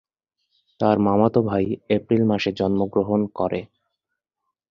তার মামাতো ভাই এপ্রিল মাসে জন্মগ্রহণ করে।